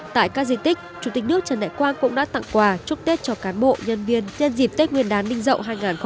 tại các di tích chủ tịch nước trần đại quang cũng đã tặng quà chúc tết cho cán bộ nhân viên nhân dịp tết nguyên đán ninh dậu hai nghìn một mươi bảy